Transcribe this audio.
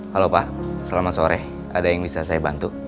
halo pak selamat sore ada yang bisa saya bantu